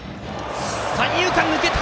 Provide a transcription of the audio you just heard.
三遊間、抜けた！